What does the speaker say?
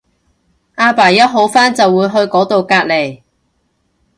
阿爸一好翻就會去嗰到隔離